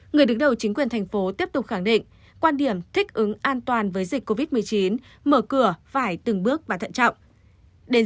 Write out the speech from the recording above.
người đứng đầu chính quyền thành phố tiếp tục khẳng định quan điểm thích ứng an toàn với dịch covid một mươi chín mở cửa phải từng bước và thận trọng